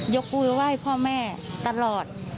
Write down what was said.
ยกมือไหว้พ่อแม่ตลอด